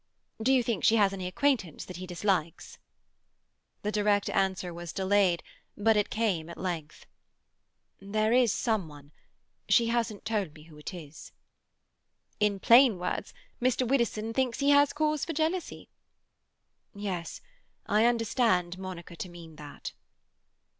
"Do you think she has any acquaintance that he dislikes?" The direct answer was delayed, but it came at length. "There is some one. She hasn't told me who it is." "In plain words, Mr. Widdowson thinks he has cause for jealousy?" "Yes, I understand Monica to mean that."